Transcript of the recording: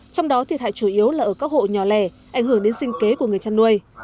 trong đó thiệt hại chủ yếu là ở các hộ nhỏ lẻ ảnh hưởng đến sinh kế của người chăn nuôi